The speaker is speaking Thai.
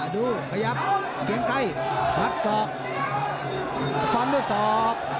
ดูขยับเกียงไกทัดสอบตรงด้วยสอบ